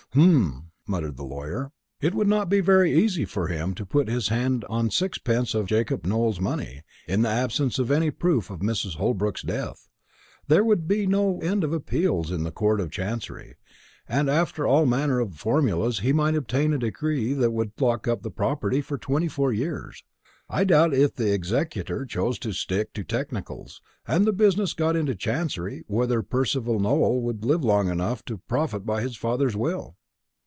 "Humph!" muttered the lawyer. "It would not be very easy for him to put his hand on sixpence of Jacob Nowell's money, in the absence of any proof of Mrs. Holbrook's death. There would be no end of appeals to the Court of Chancery; and after all manner of formulas he might obtain a decree that would lock up the property for twenty four years. I doubt, if the executor chose to stick to technicals, and the business got into chancery, whether Percival Nowell would live long enough to profit by his father's will."